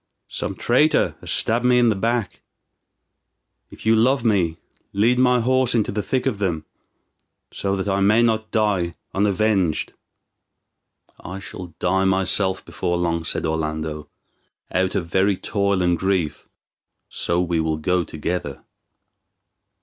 Some traitor has stabbed me in the back. If you love me, lead my horse into the thick of them, so that I may not die unavenged." "I shall die myself before long," said Orlando, "out of very toil and grief; so we will go together."